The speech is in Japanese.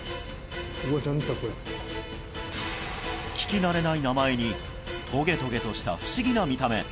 聞き慣れない名前にトゲトゲとした不思議な見た目